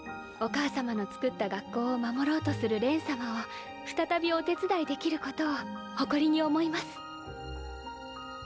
お母様のつくった学校を守ろうとする恋様を再びお手伝いできることを誇りに思います。